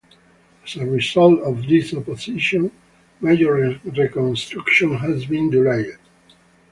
As a result of this opposition, major reconstruction has been delayed.